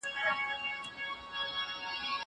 زه پرون کتابتوننۍ سره وخت تېره کړی!!